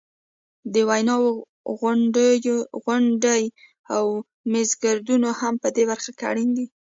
د ویناوو غونډې او میزګردونه هم په دې برخه کې اړین دي.